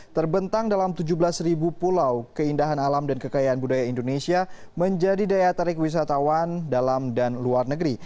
terbentang dalam tujuh belas ribu pulau keindahan alam dan kekayaan budaya indonesia menjadi daya tarik wisatawan dalam dan luar negeri